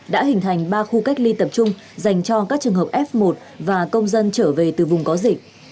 đã hình thành ba khu cách ly tập trung dành cho các trường hợp f một và công dân trở về từ vùng có dịch